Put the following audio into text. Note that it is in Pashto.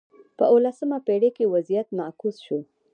په اولسمه پېړۍ کې وضعیت معکوس شو.